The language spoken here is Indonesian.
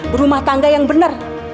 berumah tangga yang benar